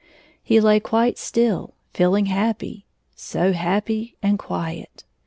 He lay quite still, feehng happy — so happy and quiet.